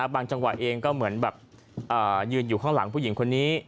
จังหวะเองก็เหมือนแบบยืนอยู่ข้างหลังผู้หญิงคนนี้